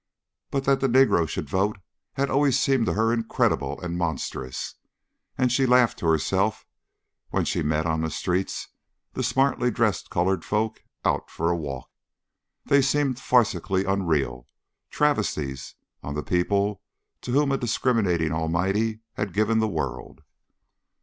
But that the negro should vote had always seemed to her incredible and monstrous, and she laughed to herself when she met on the streets the smartly dressed coloured folk out for a walk. They seemed farcically unreal, travesties on the people to whom a discriminating Almighty had given the world.